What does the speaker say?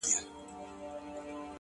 گرانه شاعره لږ څه يخ دى كنه ـ